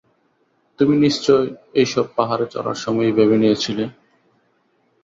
তুমি নিশ্চয় এই সব পাহাড়ে চড়ার সময়েই ভেবে নিয়েছিলে!